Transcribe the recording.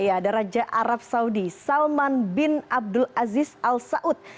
ada raja arab saudi salman bin abdul aziz al saud